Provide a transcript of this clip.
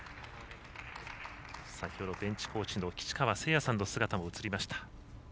先ほどベンチコーチの岸川聖也さんの姿も映りました。